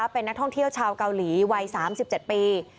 เป็นนักท่องเที่ยวชาวเกาหลีวัย๓๗ปี